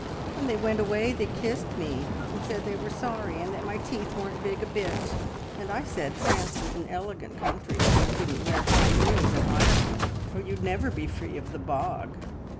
"`When they went away they kissed me, and said they were sorry, and that my teeth weren't big a bit, and I said France was an elegant country, but you couldn't wear high heels in Ireland, or you'd never be free of the bog.